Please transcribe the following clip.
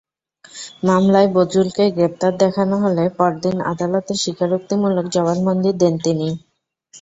মামলায় বদরুলকে গ্রেপ্তার দেখানো হলে পরদিন আদালতে স্বীকারোক্তিমূলক জবানবন্দি দেন তিনি।